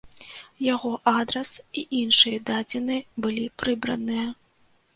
Яго адрас і іншыя дадзеныя былі прыбраныя.